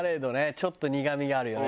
ちょっと苦みがあるよね